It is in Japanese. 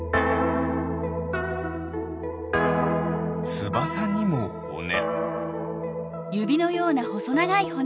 つばさにもほね。